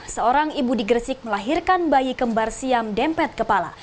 seorang ibu di gresik melahirkan bayi kembar siam dempet kepala